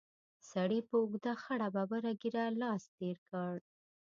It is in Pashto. سړي په اوږده خړه ببره ږېره لاس تېر کړ.